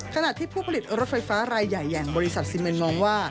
ขณะที่ผู้ผลิตรถไฟฟ้ารายใหญ่อย่างบริษัทซีเมนมองว่า